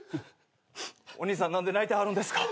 お兄さん何で泣いてはるんですか？